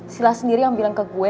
sila sendiri yang bilang ke gue